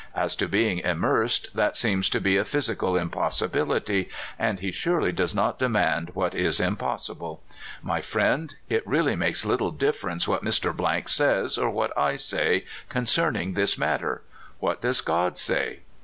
As to being immersed, that seems to be a phys ical impossibility, and he surely does not demand what is impossible. My friend, it really makes little difference what Mr. says, or what I say, concerning this matter. What does God say?